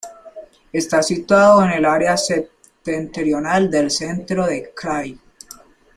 Está situado en el área septentrional del centro del krai.